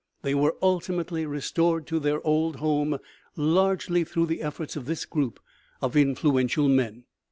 They were ultimately restored to their old home, largely through the efforts of this group of influential men.